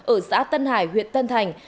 ở xã tân hải huyện tân thành